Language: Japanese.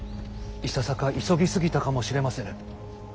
いささか急ぎ過ぎたかもしれませぬ。